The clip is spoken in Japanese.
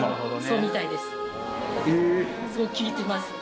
そう聞いてます。